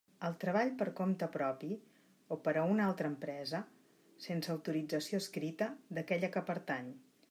El treball per compte propi o per a una altra empresa, sense autorització escrita d'aquella que pertany.